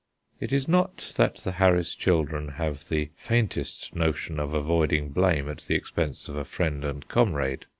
It is not that the Harris children have the faintest notion of avoiding blame at the expense of a friend and comrade.